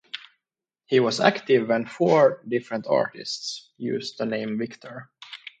He was active when four different artists used the name Victor.